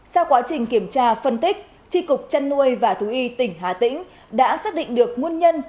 sau quá trình kiểm tra phân tích tri cục chăn nuôi và thú y tỉnh hà tĩnh đã xác định được nguồn nhân